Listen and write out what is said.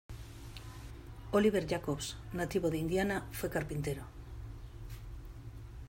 Oliver Jacobs, nativo de Indiana fue carpintero.